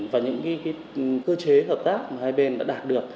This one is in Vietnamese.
và những cơ chế hợp tác mà hai bên đã đạt được